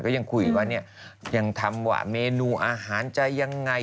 ก็ยังคุยว่าเนี่ยยังทำว่าเมนูอาหารจะยังไง